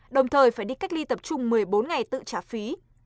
đồng thời phải đi cách ly tập trung một mươi bốn ngày tự trả phí